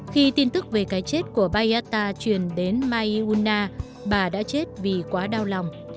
khi tin tức về cái chết của biatta truyền đến mai yuna bà đã chết vì quá đau lòng